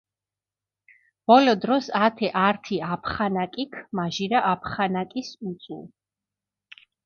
ბოლო დროს ათე ართი აფხანაკიქ მაჟირა აფხანაკის უწუუ.